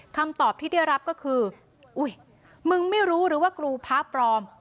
คำตอบที่ได้รับก็คืออุ๊ยมึงไม่รู้หรือว่ากูพระปลอม